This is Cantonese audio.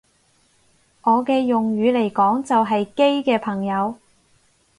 我嘅用語嚟講就係基嘅朋友